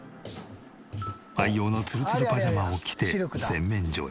愛用のツルツルパジャマを着て洗面所へ。